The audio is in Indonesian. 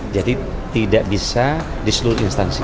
jadi tidak bisa di seluruh instansi